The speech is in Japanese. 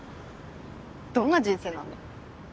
どんな人生なんだろ。